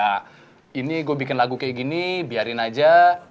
nah ini gue bikin lagu kayak gini biarin aja